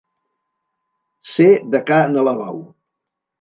Ser de ca n'Alabau.